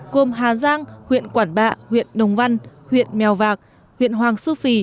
gồm hà giang huyện quản bạ huyện đồng văn huyện mèo vạc huyện hoàng su phi